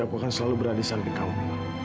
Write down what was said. aku akan selalu berada di samping kaum